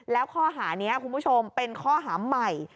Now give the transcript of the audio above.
แล้วข้อหานี้คุณผู้ชมเป็นข้อหาใหม่